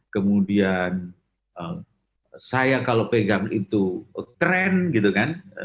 kemudian saya kalau pegang itu tren gitu kan